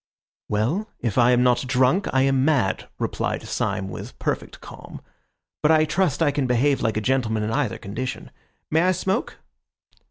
"Well, if I am not drunk, I am mad," replied Syme with perfect calm; "but I trust I can behave like a gentleman in either condition. May I smoke?"